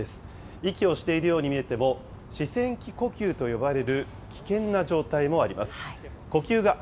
息をしているように見えても、死戦期呼吸と呼ばれる危険な状態もあります。